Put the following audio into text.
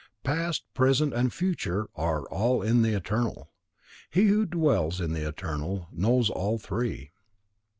Past, present and future are all in the Eternal. He who dwells in the Eternal knows all three.